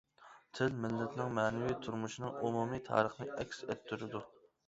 تىل مىللەتنىڭ مەنىۋى تۇرمۇشنىڭ ئومۇمىي تارىخىنى ئەكس ئەتتۈرىدۇ.